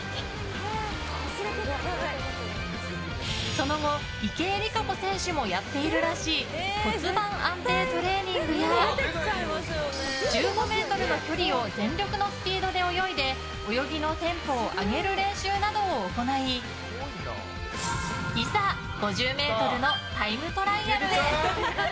その後、池江璃花子選手もやっているらしい骨盤安定トレーニングや１５ｍの距離を全力のスピードで泳いで泳ぎのテンポを上げる練習などを行いいざ５０ｍのタイムトライアルへ。